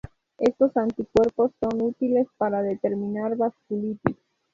Estos anticuerpos son útiles para determinar vasculitis.